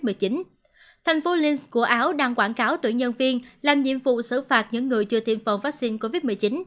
thành phố links của áo đang quảng cáo tuyển nhân viên làm nhiệm vụ xử phạt những người chưa tiêm phòng vaccine covid một mươi chín